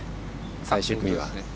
最終組は。